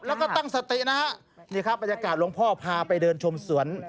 แล้วก็ตั้งสตินะฮะนี่ครับบรรยากาศหลวงพ่อพาไปเดินชมสวน